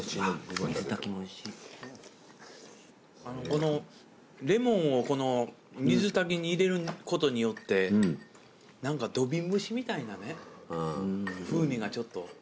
このレモンをこの水炊きに入れることによって何か土瓶蒸しみたいなね風味がちょっと漂いますよね。